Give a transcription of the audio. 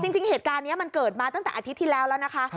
จริงเหตุการณ์นี้มันเกิดมาตั้งแต่อาทิตย์ที่แล้วแล้วนะคะ